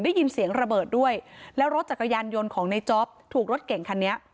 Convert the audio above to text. ได้ยินเสียงระเบิดด้วยแล้วรถจักรยานยนต์ของในจ๊อปถูกรถเก่งคันนี้